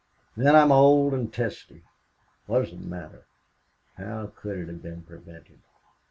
Then I'm old and testy... What does it matter? How could it have been prevented?